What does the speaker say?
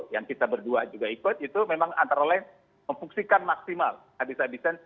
yang kita berdua juga ikut itu memang antara lain memfungsikan maksimal habis habisan